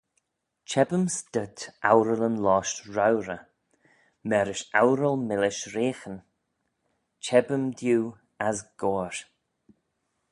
Cheb-yms dhyt ourallyn-losht roauyrey, marish oural-millish reaghyn: cheb-ym dew as goair.